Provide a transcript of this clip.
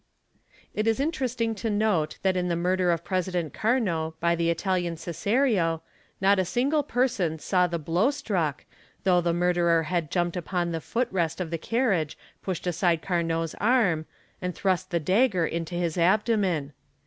_ It is interesting to note that in the murder of President Carnot by he Italian Caserio not a single person saw the blow struck though the 'murderer had jumped upon the foot rest of the carriage, pushed aside Carnot's arm, and thrust the dagger into his abdomen.